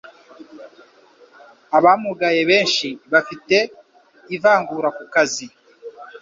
Abamugaye benshi bafite ivangura ku kazi